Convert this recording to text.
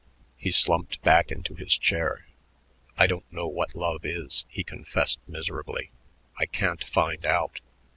He slumped back into his chair. "I don't know what love is," he confessed miserably. "I can't find out."